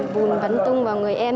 bùn vẫn tung vào người em